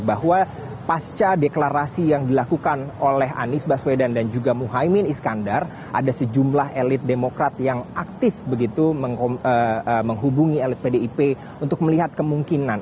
bahwa pasca deklarasi yang dilakukan oleh anies baswedan dan juga muhaymin iskandar ada sejumlah elit demokrat yang aktif begitu menghubungi elit pdip untuk melihat kemungkinan